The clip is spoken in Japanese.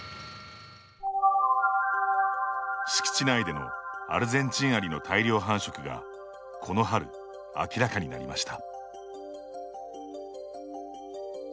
敷地内でのアルゼンチンアリの大量繁殖がこの春、明らかになりました。